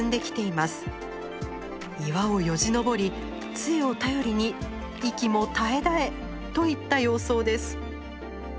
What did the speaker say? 岩をよじ登り杖を頼りに息も絶え絶えといった様相です。